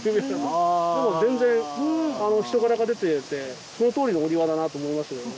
あぁでも全然お人柄が出ててそのとおりのお庭だなと思いましたけどね